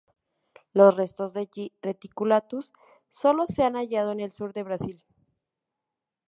Los restos de "G. reticulatus" solo se han hallado en el sur de Brasil.